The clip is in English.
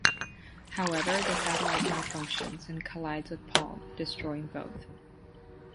However, the satellite malfunctions and collides with Palm, destroying both.